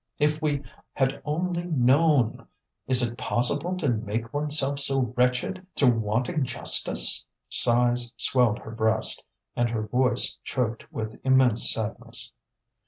If we had only known! Is it possible to make oneself so wretched through wanting justice?" Sighs swelled her breast, and her voice choked with immense sadness.